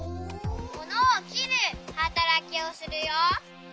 ものをきるはたらきをするよ。